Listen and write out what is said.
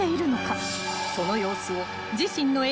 ［その様子を］